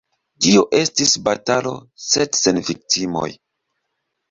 Tio estis batalo, sed sen viktimoj.